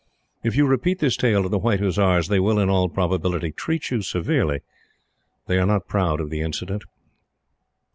If you repeat this tale to the White Hussars they will, in all probability, treat you severely. They are not proud of the incident.